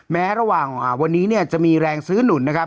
ระหว่างวันนี้เนี่ยจะมีแรงซื้อหนุนนะครับ